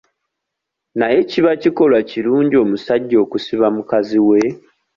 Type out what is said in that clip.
Naye kiba kikolwa kirungi omusajja okusiba mukazi we?